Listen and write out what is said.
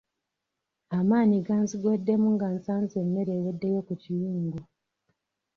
Amaanyi ganzigweddemu nga nsanze emmere eweddeyo ku kiyungu.